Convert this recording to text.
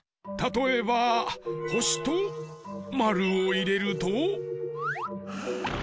たとえばほしとまるをいれると。